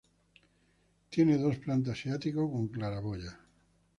Tiene dos plantas y ático con claraboyas.